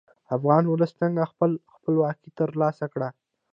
افغان ولس څنګه خپله خپلواکي تر لاسه کړه؟